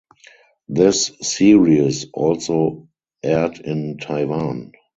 This series also aired in Taiwan.